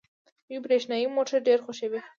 دوی برښنايي موټرې ډېرې خوښوي.